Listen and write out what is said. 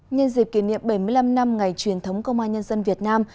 nhân dịp kỷ niệm bảy mươi năm năm ngày truyền thống công an nhân dân việt nam